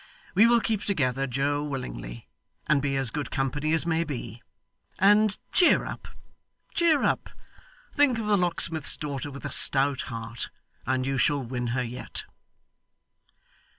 We will keep together, Joe, willingly, and be as good company as may be. And cheer up, cheer up, think of the locksmith's daughter with a stout heart, and you shall win her yet.